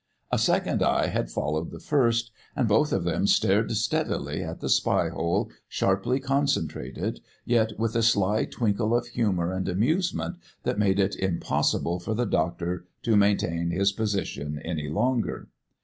A second eye had followed the first, and both of them stared steadily at the spy hole, sharply concentrated, yet with a sly twinkle of humour and amusement that made it impossible for the doctor to maintain his position any longer.